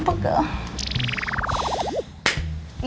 iiih seru deh kita mas